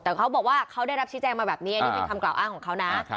แต่เขาบอกว่าเขาได้รับชี้แจงมาแบบนี้อันนี้เป็นคำกล่าวอ้างของเขานะ